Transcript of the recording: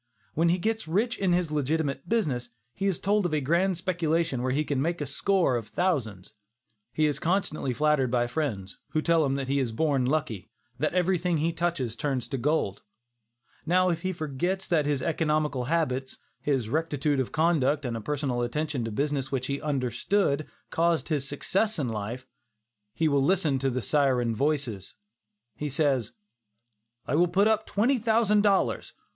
When he gets rich in his legitimate business, he is told of a grand speculation where he can make a score of thousands. He is constantly flattered by his friends, who tell him that he is born lucky, that everything he touches turns into gold. Now if he forgets that his economical habits, his rectitude of conduct and a personal attention to a business which he understood, caused his success in life, he will listen to the syren voices. He says: "I will put in twenty thousand dollars.